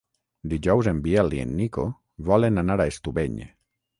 Dijous en Biel i en Nico volen anar a Estubeny.